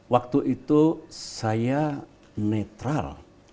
waktu itu saya netral